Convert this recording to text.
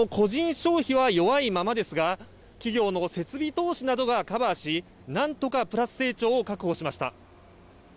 消費は弱いままですが企業の設備投資などがカバーしなんとかプラス成長を確保しました。